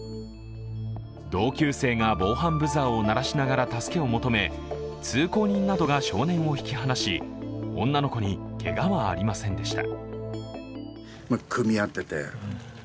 同級生が防犯ブザーを鳴らしながら助けを求め通行人などが少年を引き離し、女の子にけがはありませんでした。